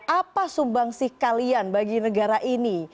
apa sumbangsih kalian bagi negara ini